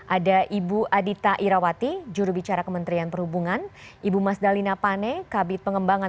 ada ibu adita irawati jurubicara kementerian perhubungan ibu mas dalina pane kabit pengembangan